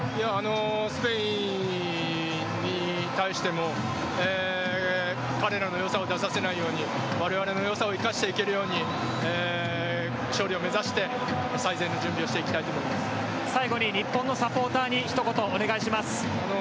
スペインに対しても彼らの良さを出させないようにわれわれの良さを生かしていけるように勝利を目指して最善の準備をしていきたいと最後に日本のサポーターに一言お願いします。